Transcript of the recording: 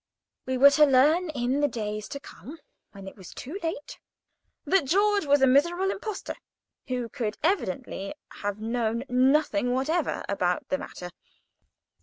We were to learn in the days to come, when it was too late, that George was a miserable impostor, who could evidently have known nothing whatever about the matter.